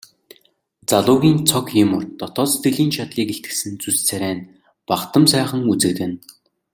Залуугийн цог хийморь дотоод сэтгэлийн чадлыг илтгэсэн зүс царай нь бахдам сайхан үзэгдэнэ.